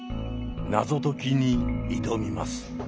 謎解きに挑みます。